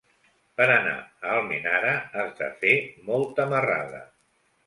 Per anar a Almenara has de fer molta marrada.